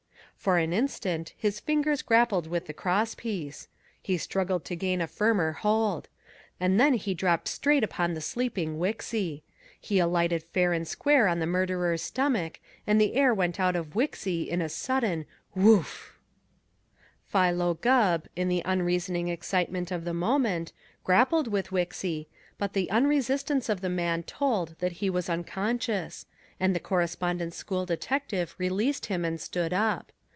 For an instant his fingers grappled with the cross piece; he struggled to gain a firmer hold; and then he dropped straight upon the sleeping Wixy. He alighted fair and square on the murderer's stomach, and the air went out of Wixy in a sudden whoof! Philo Gubb, in the unreasoning excitement of the moment, grappled with Wixy, but the unresistance of the man told that he was unconscious, and the Correspondence School detective released him and stood up.